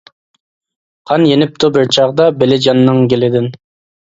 قان يېنىپتۇ بىر چاغدا، بېلىجاننىڭ گېلىدىن.